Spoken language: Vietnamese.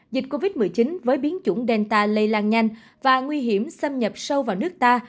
dịch covid một mươi chín với biến chủng delta lây lan nhanh và nguy hiểm xâm nhập sâu vào nước ta